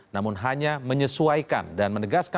namun hanya menyesuaikan dan menegaskan